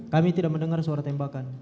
kami tidak mendengar suara tembakan